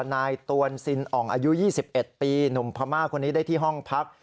ตวนซินอ่องอายุ๒๑ปีหนุ่มพม่าคนนี้ได้ที่ห้องพัก